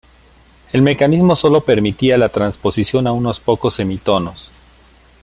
El mecanismo solo permitía la transposición a unos pocos semitonos.